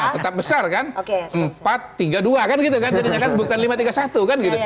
tetap besar kan empat tiga dua kan gitu kan jadinya kan bukan lima tiga satu kan gitu